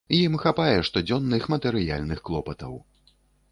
Ім хапае штодзённых матэрыяльных клопатаў.